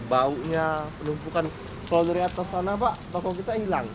baunya penumpukan kalau dari atas sana pak toko kita hilang